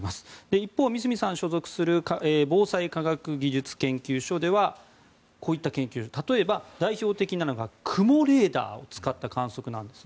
一方、三隅さんが所属する防災科学技術研究所では例えば、代表的なのが雲レーダーを使った観測です。